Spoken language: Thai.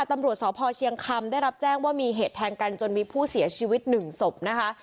ตำรวจสพเชียงคำได้รับแจ้งว่ามีเหตุแทงกันจนมีผู้เสียชีวิตหนึ่งศพนะคะ